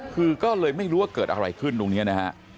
คือก็เลยไม่รู้ว่าเกิดอะไรขึ้นตรงนี้นะฮะ